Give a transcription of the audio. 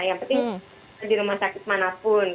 yang penting di rumah sakit manapun